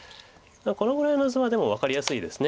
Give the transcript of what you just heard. このぐらいの図はでも分かりやすいです